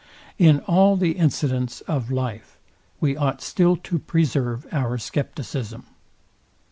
In all the incidents of life we ought still to preserve our scepticism.